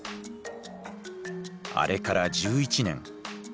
あれから１１年。